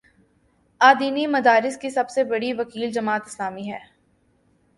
آج دینی مدارس کی سب سے بڑی وکیل جماعت اسلامی ہے۔